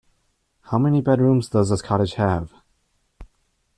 How many bedrooms does this cottage have?